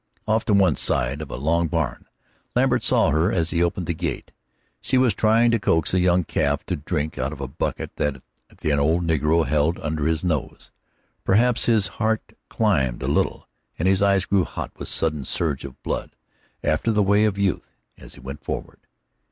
Off to one side of a long barn Lambert saw her as he opened the gate. She was trying to coax a young calf to drink out of a bucket that an old negro held under its nose. Perhaps his heart climbed a little, and his eyes grew hot with a sudden surge of blood, after the way of youth, as he went forward.